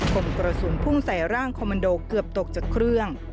คมกระสุนพุ่งใส่ร่างคอมมันโดเกือบตกจากเครื่อง